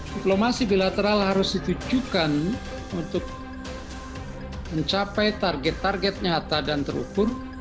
diplomasi bilateral harus ditujukan untuk mencapai target target nyata dan terukur